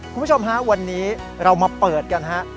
คุณผู้ชมฮะวันนี้เรามาเปิดกันฮะ